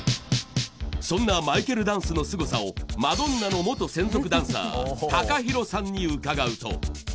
そんなマイケルダンスのすごさをマドンナの元専属ダンサーＴＡＫＡＨＩＲＯさんに伺うと。